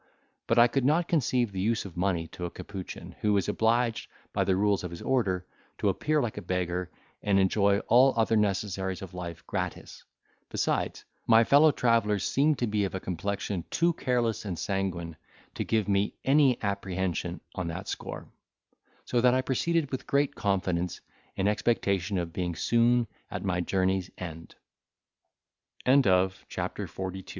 But I could not conceive the use of money to a capuchin, who is obliged, by the rules of his order, to appear like a beggar, and enjoy all other necessaries of life gratis; besides, my fellow traveller seemed to be of a complexion too careless and sanguine to give me any apprehension on that score; so that I proceeded with great confidence, in expectation of being soon at my journey's end. CHAPTER XLIII We lodg